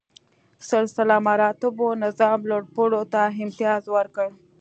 سلسله مراتبو نظام لوړ پوړو ته امتیاز ورکړ.